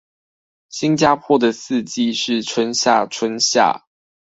新加坡的四季是春夏春夏